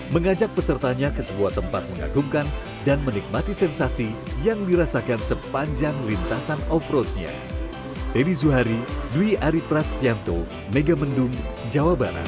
mengajak pesertanya ke sebuah tempat mengagumkan dan menikmati sensasi yang dirasakan sepanjang lintasan off roadnya